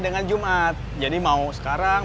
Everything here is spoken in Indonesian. dengan jumat jadi mau sekarang